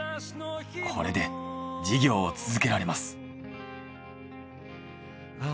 これで事業を続けられます。